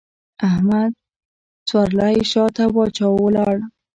احمد څوری شا ته واچاوو؛ ولاړ.